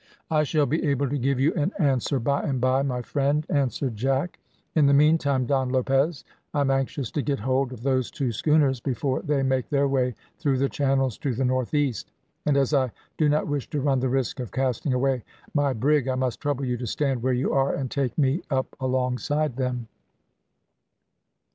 "I shall be able to give you an answer by and by, my friend," answered Jack. "In the meantime, Don Lopez, I am anxious to get hold of those two schooners before they make their way through the channels to the north east; and as I do not wish to run the risk of casting away my brig, I must trouble you to stand where you are and take me up alongside them."